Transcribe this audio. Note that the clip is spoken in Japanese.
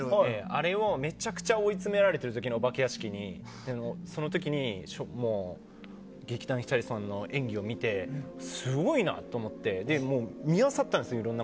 あれをめちゃくちゃ追い詰められててお化け屋敷に劇団ひとりさんの演技を見てすごいな！と思って見漁ったんですよ。